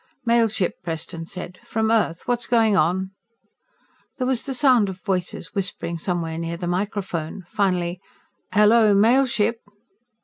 "Mail ship," Preston said. "From Earth. What's going on?" There was the sound of voices whispering somewhere near the microphone. Finally: "Hello, Mail Ship?"